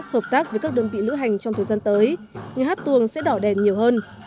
hợp tác với các đơn vị lữ hành trong thời gian tới nhà hát tuồng sẽ đỏ đèn nhiều hơn